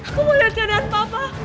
aku mau lihat keadaan papa